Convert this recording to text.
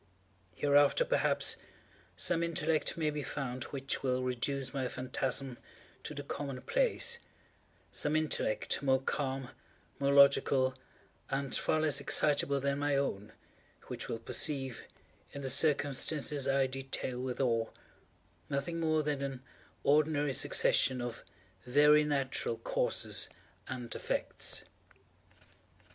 Hereafter, perhaps, some intellect may be found which will reduce my phantasm to the common place—some intellect more calm, more logical, and far less excitable than my own, which will perceive, in the circumstances I detail with awe, nothing more than an ordinary succession of very natural causes and effects.